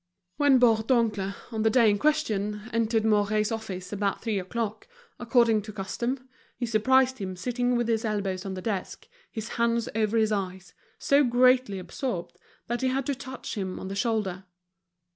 When Bourdoncle, on the day in question, entered Mouret's office about three o'clock, according to custom, he surprised him sitting with his elbows on the desk, his hands over his eyes, so greatly absorbed that he had to touch him on the shoulder.